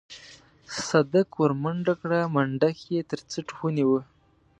صدک ورمنډه کړه منډک يې تر څټ ونيوه.